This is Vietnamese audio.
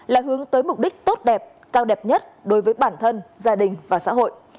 là hướng tới mục đích tốt đẹp cao đẹp nhất đối với bản thân gia đình và xã hội